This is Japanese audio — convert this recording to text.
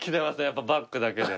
やっぱバッグだけで。